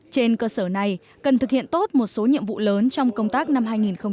trên cơ sở này cần thực hiện tốt một số nhiệm vụ lớn trong công tác năm hai nghìn hai mươi